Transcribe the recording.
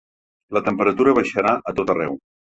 La temperatura baixarà a tot arreu.